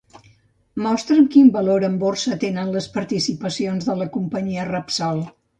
Mostra'm quin valor en borsa tenen les participacions de la companyia Repsol.